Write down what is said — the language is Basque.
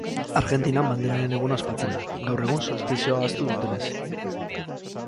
Argentinan banderaren eguna ospatzen da, gaur egun solstizioa ahaztu dutenez.